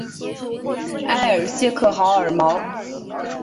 埃尔谢克豪尔毛。